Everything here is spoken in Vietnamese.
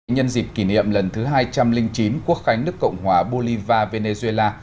nhân dịp kỷ niệm lần thứ hai trăm linh chín quốc khánh nước cộng hòa bolivar venezuela